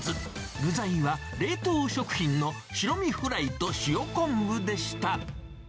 具材は冷凍食品の白身フライと塩昆布でした。